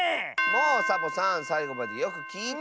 もうサボさんさいごまでよくきいて！